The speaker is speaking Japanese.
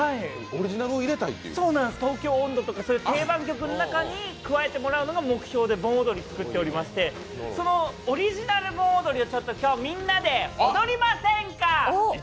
「東京音頭」とかの定番曲の中に加えてもらうのが目標で盆踊り作ってましてそのオリジナル盆踊りを今日みんなで踊りませんか？